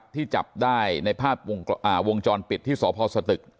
ที่จับได้ในภาพวงจรปิดที่สพสตึก